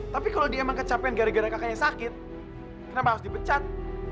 tapi kalau dia emang kecapean gara gara kakaknya sakit kenapa harus dipecat